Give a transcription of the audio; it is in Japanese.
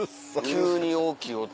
急に大きい音。